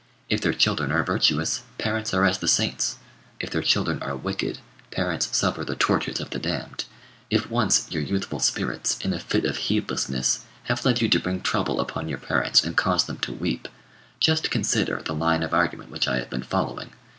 If their children are virtuous, parents are as the saints: if their children are wicked, parents suffer the tortures of the damned. If once your youthful spirits, in a fit of heedlessness, have led you to bring trouble upon your parents and cause them to weep, just consider the line of argument which I have been following.